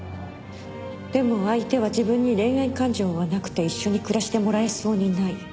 でも相手は自分に恋愛感情はなくて一緒に暮らしてもらえそうにない。